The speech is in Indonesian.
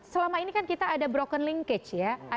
selama ini kan kita ada broken linkage ya